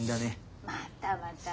またまた。